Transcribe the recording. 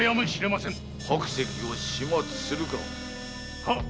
白石を始末するか。